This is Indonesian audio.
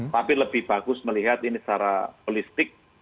tapi lebih bagus melihat ini secara holistik